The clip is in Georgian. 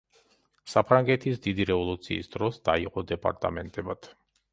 საფრანგეთის დიდი რევოლუციის დროს დაიყო დეპარტამენტებად.